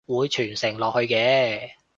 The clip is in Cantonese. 會傳承落去嘅！